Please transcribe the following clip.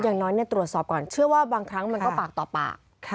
อย่างน้อยตรวจสอบก่อนเชื่อว่าบางครั้งมันก็ปากต่อปาก